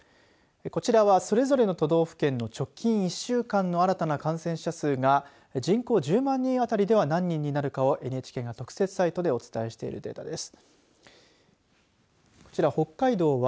こちらはそれぞれの都道府県の直近１週間の新たな感染者数が人口１０万人当たりでは何人になるかをＮＨＫが特設サイトでお伝えしているデータです。